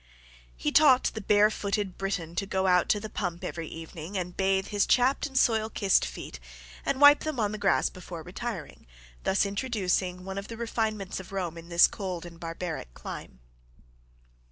] He taught the barefooted Briton to go out to the pump every evening and bathe his chapped and soil kissed feet and wipe them on the grass before retiring, thus introducing one of the refinements of Rome in this cold and barbaric clime.